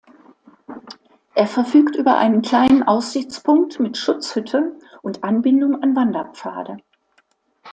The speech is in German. Er verfügt über einen kleinen Aussichtspunkt mit Schutzhütte und Anbindung an Wanderpfade.